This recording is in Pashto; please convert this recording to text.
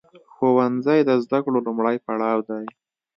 ښوونځی د زده کړو لومړی پړاو دی.